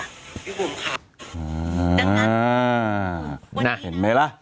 พี่บุ๋มค่ะน่าเห็นไหมล่ะ